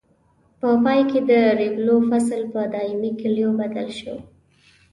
په پای کې د ریبلو فصل په دایمي کلیو بدل شو.